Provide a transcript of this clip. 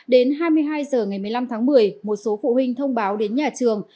đến hai mươi hai h ngày một mươi năm tháng một mươi một số phụ huynh thông báo đến nhà trường